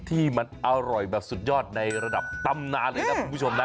ที่มันอร่อยแบบสุดยอดในระดับตำนานเลยนะคุณผู้ชมนะ